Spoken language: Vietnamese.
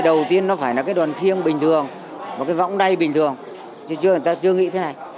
tổ tiên nó phải là cái đoàn khiêng bình thường một cái võng đầy bình thường chứ chưa người ta chưa nghĩ thế này